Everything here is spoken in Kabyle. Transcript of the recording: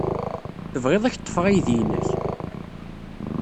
Tebɣid ad ak-ḍḍfeɣ aydi-nnek?